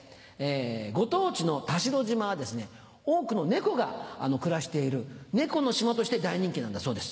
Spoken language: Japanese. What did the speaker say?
ご当地の田代島は多くの猫が暮らしている猫の島として大人気なんだそうです。